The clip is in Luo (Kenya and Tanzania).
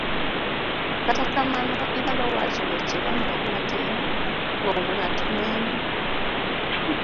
kata kamano, inyalo wacho weche mamagi matin kuom ng'at mind